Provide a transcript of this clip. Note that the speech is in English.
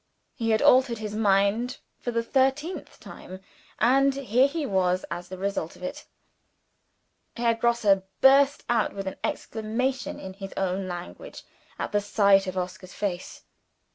He had altered his mind for the thirteenth time and here he was as the result of it! Herr Grosse burst out with an exclamation in his own language, at the sight of Oscar's face.